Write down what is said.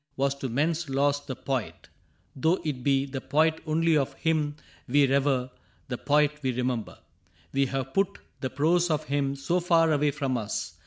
Was to men's loss the Poet — though it be The Poet only of him we revere. The Poet we remember. We have put The prose of him so far away from us.